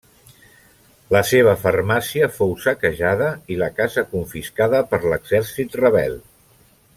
La seva farmàcia fou saquejada i la casa confiscada per l'exèrcit rebel.